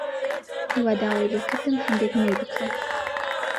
هیوا داوای لێ کردم هەندێک مەی بکڕم.